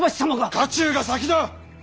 家中が先だ。